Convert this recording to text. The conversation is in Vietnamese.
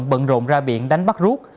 bận rộn ra biển đánh bắt rút